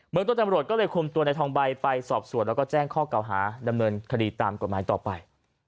เมืองต้นตำรวจก็เลยคุมตัวในทองใบไปสอบส่วนแล้วก็แจ้งข้อเก่าหาดำเนินคดีตามกฎหมายต่อไป